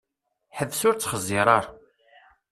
Ḥbes ur ttxeẓẓiṛ ara!